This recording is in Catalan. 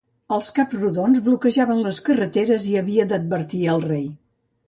Els caps-rodons bloquejaven les carreteres i havia d'advertir el Rei.